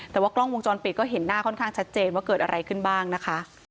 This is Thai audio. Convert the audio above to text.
แต่ว่ากล้องวงจรปิดก็เห็นหน้าค่อนข้างชัดเจนว่าเกิดอะไรขึ้นบ้างนะคะ